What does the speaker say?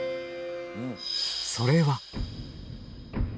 それは。